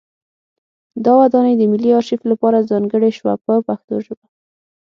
دا ودانۍ د ملي ارشیف لپاره ځانګړې شوه په پښتو ژبه.